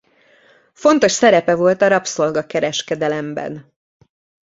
Fontos szerepe volt a rabszolga-kereskedelemben.